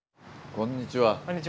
こんにちは！